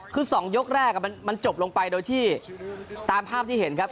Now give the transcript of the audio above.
คือ๒ยกแรกมันจบลงไปโดยที่ตามภาพที่เห็นครับ